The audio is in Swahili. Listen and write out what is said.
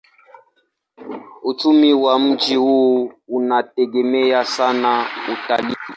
Uchumi wa mji huu unategemea sana utalii.